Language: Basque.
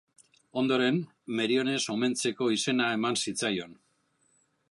Ondoren Meriones omentzeko izena eman zitzaion.